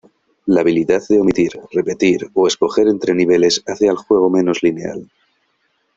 La habilidad de omitir, repetir o escoger entre niveles hace al juego menos lineal.